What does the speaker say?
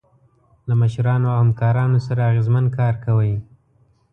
له مشرانو او همکارانو سره اغیزمن کار کوئ.